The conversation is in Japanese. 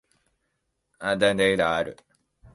ポンディシェリ連邦直轄領の首府はポンディシェリである